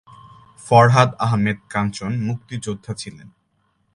ফরহাদ আহম্মেদ কাঞ্চন মুক্তিযোদ্ধা ছিলেন।